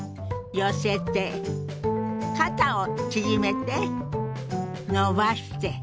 肩を縮めて伸ばして。